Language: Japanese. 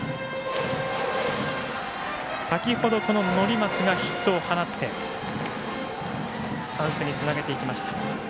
先ほど、乘松がヒットを放ってチャンスにつなげていきました。